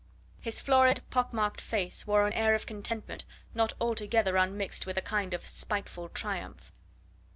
His florid, pock marked face wore an air of contentment not altogether unmixed with a kind of spiteful triumph.